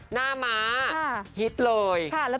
หน้าหมาฮิตเลยดังเลย